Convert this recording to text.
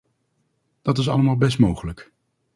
Dat is allemaal best mogelijk.